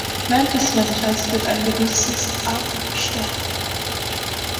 Während des Winters wird ein gewisses Absterben erwartet.